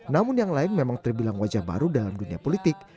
namun yang lain memang terbilang wajah baru dalam dunia politik